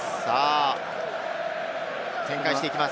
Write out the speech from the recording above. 展開していきます。